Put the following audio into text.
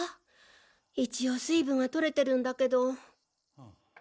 一応水分はとれてるんだけど。